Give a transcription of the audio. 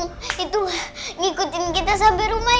pocong ikut kita sampai rumah ya